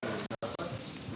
harga jualnya sendiri